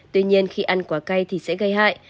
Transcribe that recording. tuy nhiên khi ăn quả cay thì sẽ gây hại